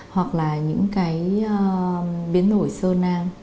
hoặc là những cái biến nổi sơ nang